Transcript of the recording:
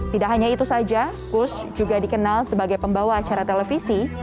tidak hanya itu saja kus juga dikenal sebagai pembawa acara televisi